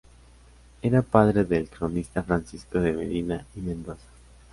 Era padre del cronista Francisco de Medina y Mendoza.